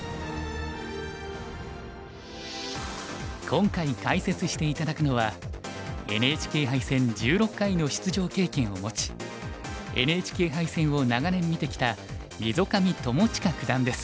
今回解説して頂くのはＮＨＫ杯戦１６回の出場経験を持ちＮＨＫ杯戦を長年見てきた溝上知親九段です。